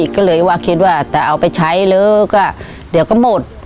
ก็เลยว่าคิดว่าจะเอาไปใช้เลิกก็เดี๋ยวก็หมด